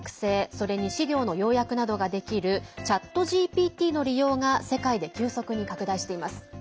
それに資料の要約などができるＣｈａｔＧＰＴの利用が世界で急速に拡大しています。